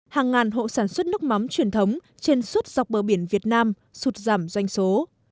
hàng ngàn hộ sản xuất nước mắm truyền thống trên suốt dọc bờ biển việt nam sụt giảm doanh số